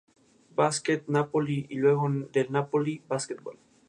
Basket Napoli y luego del Napoli Basketball.